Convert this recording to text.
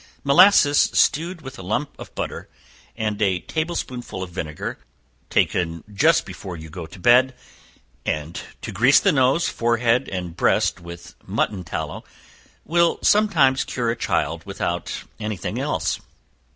Molasses stewed with a lump of butter, and a table spoonful of vinegar, taken just before you go to bed, and to grease the nose, forehead and breast with mutton tallow, will sometimes cure a child without any thing else.